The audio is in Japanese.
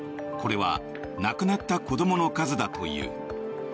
これは亡くなった子どもの数だという。